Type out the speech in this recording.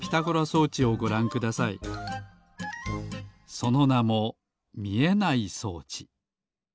そのなもみえない装置。